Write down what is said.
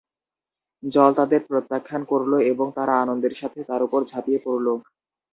জল তাদের প্রত্যাখ্যান করল এবং তারা আনন্দের সাথে তার উপর ঝাঁপিয়ে পড়ল।